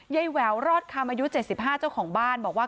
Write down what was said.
แหววรอดคำอายุ๗๕เจ้าของบ้านบอกว่า